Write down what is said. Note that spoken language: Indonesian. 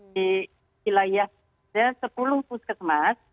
di wilayah sepuluh puskesmas